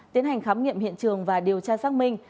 tiến hành khám nghiệm hiện trường và điều tra xác minh